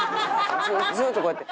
ずっとこうやって。